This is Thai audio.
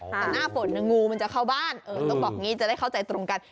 แต่หน้าฝนงูมันจะเข้าบ้านต้องบอกอย่างนี้จะได้เข้าใจตรงกัน